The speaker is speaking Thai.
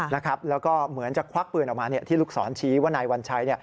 แล้วก็เหมือนจะควักปืนออกมาที่ลูกศรชี้ว่านายวัญชัย